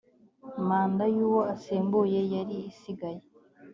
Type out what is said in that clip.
manda y’ uwo asimbuye yari isigaye